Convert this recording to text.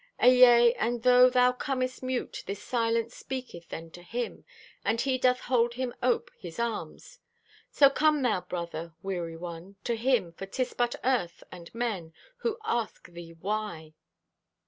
Ayea, and though thou comest mute, This silence speaketh then to Him, And He doth hold Him ope His arms. So come thou brother, weary one, To Him, for 'tis but Earth and men Who ask thee WHY.